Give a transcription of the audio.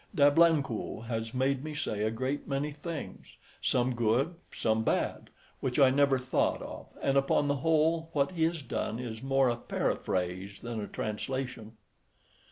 D'Ablancourt has made me say a great many things, some good, some bad, which I never thought of, and, upon the whole, what he has done is more a paraphrase than a translation."